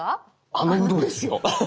あのウドですよ。